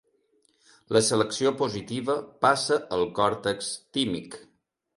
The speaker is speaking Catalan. La selecció positiva passa al còrtex tímic.